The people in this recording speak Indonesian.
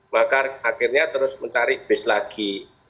maka akhirnya terus mencari bis lagi